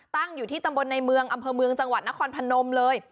ตั้งอยู่ที่ตำบลในเมืองอำเภอเมืองจังหวัดนครพนมเลย